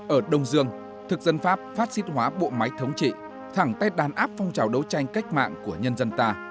ở đông dương thực dân pháp phát xít hóa bộ máy thống trị thẳng tết đàn áp phong trào đấu tranh cách mạng của nhân dân ta